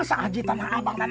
masa ada tanah abang di rumah